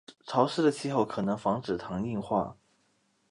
潮湿的气候可能防止糖硬化。